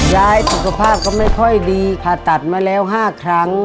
ยายสุขภาพก็ไม่ค่อยดีผ่าตัดมาแล้ว๕ครั้ง